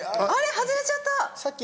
外れちゃった！